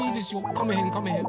かめへんかめへん。